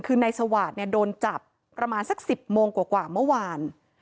คือในสวาสโรงงานโดนจับประมาณสัก๑๐โมงกว่าเมื่อวาน